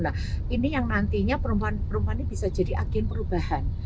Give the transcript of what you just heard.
nah ini yang nantinya perempuan perempuan ini bisa jadi agen perubahan